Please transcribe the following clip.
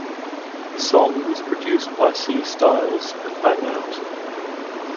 The song was produced by C. Styles and Bang Out.